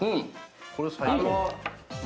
これ最高。